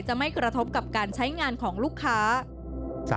ไม่กระทบกับการใช้งานของลูกค้า